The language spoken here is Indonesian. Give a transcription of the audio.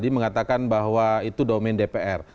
mengatakan bahwa itu domen dpr